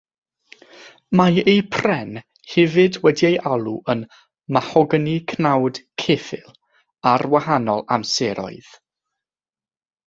Mae eu pren hefyd wedi'i alw yn “mahogani cnawd ceffyl” ar wahanol amseroedd.